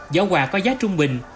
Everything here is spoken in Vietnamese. giỏ quà có giá trung bình